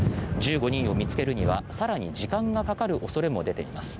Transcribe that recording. １５人を見つけるには更に時間がかかる恐れも出ています。